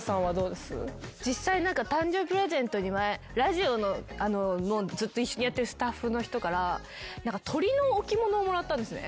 実際誕生日プレゼントに前ラジオのずっと一緒にやってるスタッフの人から鳥の置物をもらったんですね。